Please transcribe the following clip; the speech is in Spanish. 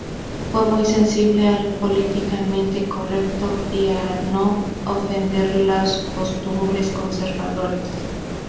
Fue muy sensible al "políticamente correcto" y a no ofender los costumbres conservadores.